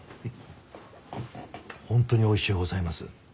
本当においしゅうございます。